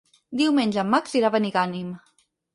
Diumenge en Max irà a Benigànim.